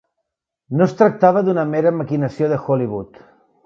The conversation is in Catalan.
No es tractava d'una mera maquinació de Hollywood.